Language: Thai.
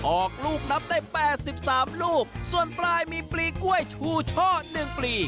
ออกลูกนับได้แปดสิบสามลูกส่วนปลายมีปลีกล้วยชูช่อ๑ปลี